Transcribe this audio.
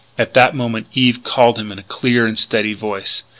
At that moment Eve called to him in a clear and steady voice.